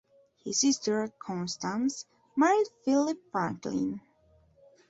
His sister, Constance, married Philip Franklin.